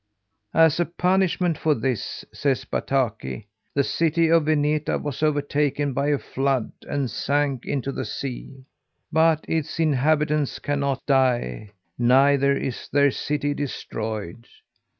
As a punishment for this, says Bataki, the city of Vineta was overtaken by a flood, and sank into the sea. But its inhabitants cannot die, neither is their city destroyed.